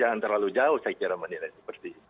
jangan terlalu jauh saya kira menilai seperti itu